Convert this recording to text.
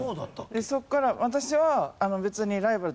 そこから私は別に。